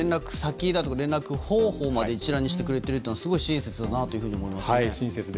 連絡先などを一覧にしてくれてるというのはすごい親切だなと思いますね。